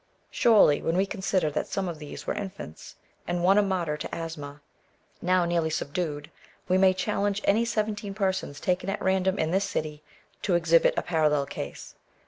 Surely, when we consider that some of these were infants, and one a martyr to asthma, now nearly subdued, we may challenge any seventeen persons taken at random in this city to exhibit a parallel case.